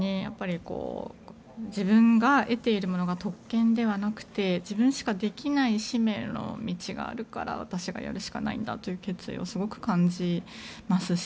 自分が得ているものが特権ではなく自分しかできない使命の道があるから私がやるしかないんだという決意はすごく感じますし。